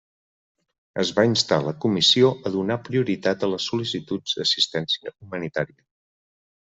Es va instar la Comissió a donar prioritat a les sol·licituds d'assistència humanitària.